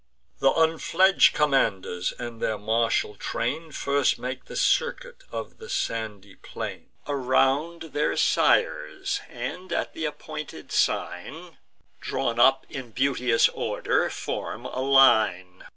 Th' unfledg'd commanders and their martial train First make the circuit of the sandy plain Around their sires, and, at th' appointed sign, Drawn up in beauteous order, form a line.